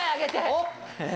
おっ！